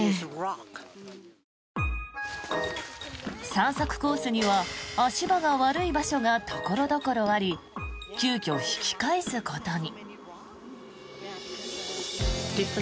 散策コースには足場が悪い場所が所々あり急きょ、引き返すことに。